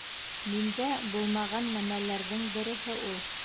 Миндә булмаған нәмәләрҙең береһе ул.